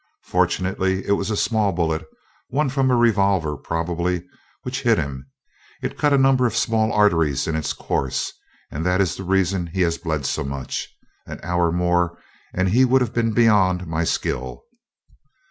Fortunately it was a small bullet, one from a revolver, probably, which hit him. It cut a number of small arteries in its course, and that is the reason he has bled so much. An hour more and he would have been beyond my skill."